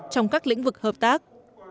trong các lĩnh vực hợp tác